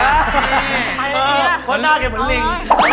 เพราะหน้าแกเหมือนลิง